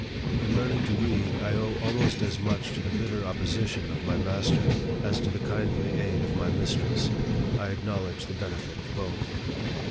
In learning to read, I owe almost as much to the bitter opposition of my master, as to the kindly aid of my mistress. I acknowledge the benefit of both.